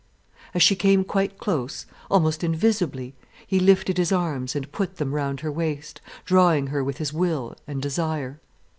As she came quite close, almost invisibly he lifted his arms and put them round her waist, drawing her with his will and desire.